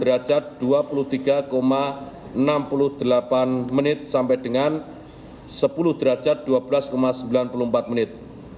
ketiga ketinggian hilal yang berkisar pada delapan derajat dua puluh tiga enam puluh delapan menit sampai dengan sepuluh derajat dua belas sembilan puluh empat menit